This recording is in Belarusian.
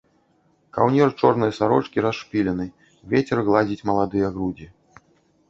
Каўнер чорнай сарочкі расшпілены, вецер гладзіць маладыя грудзі.